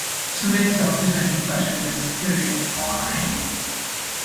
She made television debut with the serial "Power Rangers".